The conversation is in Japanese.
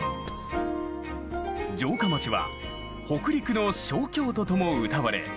城下町は「北陸の小京都」ともうたわれ